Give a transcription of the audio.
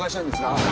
あっ。